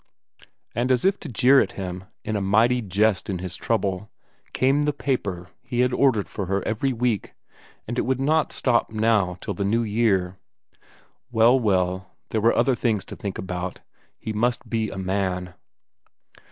And as if to jeer at him, as a mighty jest in his trouble, came the paper he had ordered for her every week, and it would not stop now till the new year. Well, well, there were other things to think about. He must be a man.